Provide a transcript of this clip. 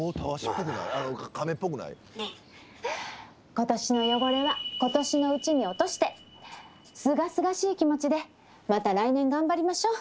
今年の汚れは今年のうちに落としてすがすがしい気持ちでまた来年頑張りましょう。